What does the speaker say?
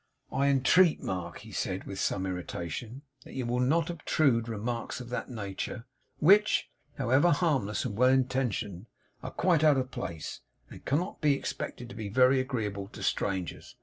'I entreat, Mark,' he said, with some irritation, 'that you will not obtrude remarks of that nature, which, however harmless and well intentioned, are quite out of place, and cannot be expected to be very agreeable to strangers.